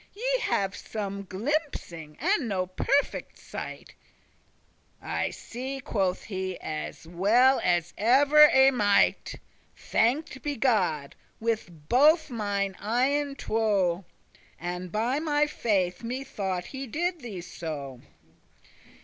Ye have some glimpsing,* and no perfect sight." *glimmering "I see," quoth he, "as well as ever I might, (Thanked be God!) with both mine eyen two, And by my faith me thought he did thee so."